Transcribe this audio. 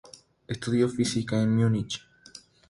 Estudió física en Múnich.